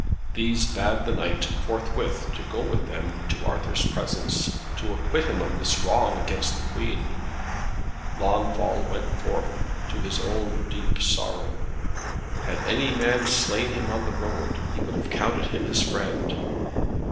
These bade the knight forthwith to go with them to Arthur's presence, to acquit him of this wrong against the Queen. Launfal went forth, to his own deep sorrow. Had any man slain him on the road, he would have counted him his friend.